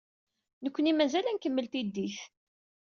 Nekkni mazal ad nkemmel tiddit.